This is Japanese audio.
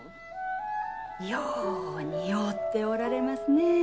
よう似合うておられますね。